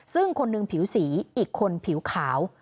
ซึ่งคนหนึ่งผิวสีอีกคนผิวขาว